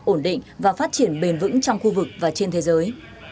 ổn định và phát triển bền vững trong khu vực và trên thế giới